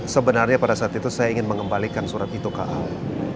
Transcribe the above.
sebenarnya pada saat itu saya ingin mengembalikan surat itu ke ahok